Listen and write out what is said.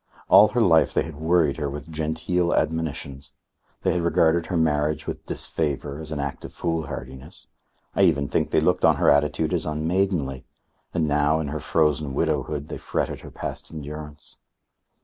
All her life they had worried her with genteel admonitions. They had regarded her marriage with disfavour, as an act of foolhardiness I even think they looked on her attitude as unmaidenly; and now in her frozen widowhood they fretted her past endurance.